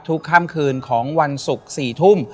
ค่ำคืนของวันศุกร์๔ทุ่ม